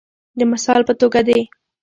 د مثال په توګه د